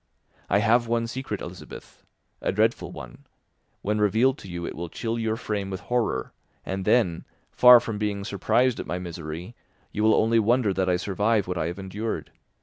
I have one secret, Elizabeth, a dreadful one; when revealed to you, it will chill your frame with horror, and then, far from being surprised at my misery, you will only wonder that I survive what I have endured.